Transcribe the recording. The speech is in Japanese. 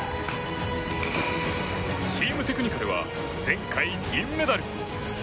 チームテクニカルは前回、銀メダル。